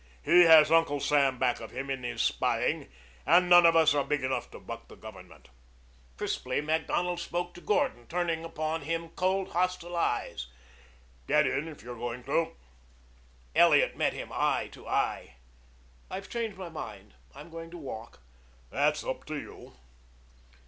He has Uncle Sam back of him in his spying, and none of us are big enough to buck the Government." Crisply Macdonald spoke to Gordon, turning upon him cold, hostile eyes. "Get in if you're going to." Elliot met him eye to eye. "I've changed my mind. I'm going to walk." "That's up to you."